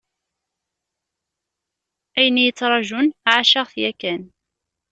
Ayen i y-ittrajun, ɛaceɣ-t yakan.